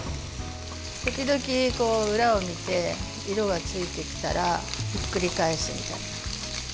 時々裏を見て、色がついてきたらひっくり返してください。